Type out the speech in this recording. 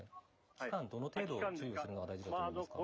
期間、どの程度注意するのが大事だと思いますか。